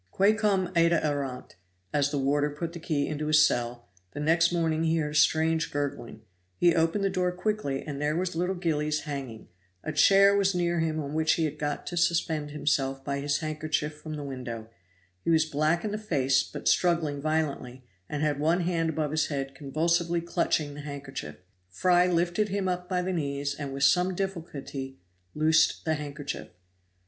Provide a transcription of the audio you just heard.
Quae cum ita erant, as the warder put the key into his cell the next morning he heard a strange gurgling; he opened the door quickly, and there was little Gillies hanging; a chair was near him on which he had got to suspend himself by his handkerchief from the window; he was black in the face, but struggling violently, and had one hand above his head convulsively clutching the handkerchief. Fry lifted him up by the knees and with some difficulty loosed the handkerchief.